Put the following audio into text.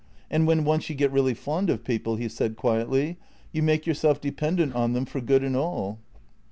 And when once you get really fond of people," he said quietly, " you make your self dependent on them for good and all."